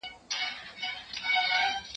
هغه وويل چي کالي پاک دي!؟